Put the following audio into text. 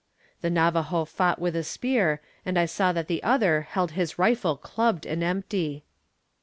The Navajo fought with a spear, and I saw that the other held his rifle clubbed and empty.